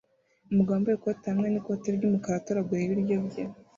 Umugabo wambaye ikoti hamwe n'ikoti ry'umukara atoragura ibiryo bye